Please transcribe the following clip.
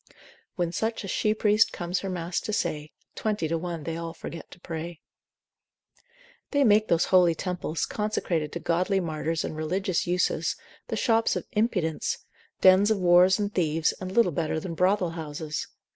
When such a she priest comes her mass to say, Twenty to one they all forget to pray. They make those holy temples, consecrated to godly martyrs and religious uses, the shops of impudence, dens of whores and thieves, and little better than brothel houses.